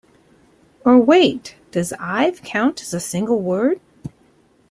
Or wait, does I've count as a single word?